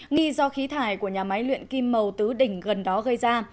nghi do khí thải của nhà máy luyện kim màu tứ đỉnh gần đó gây ra